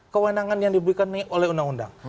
kewenangan yang diberikan oleh undang undang